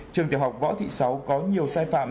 trường tiểu học võ thị sáu có nhiều sai phạm